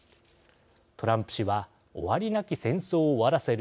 トランプ氏は「終わりなき戦争を終わらせる」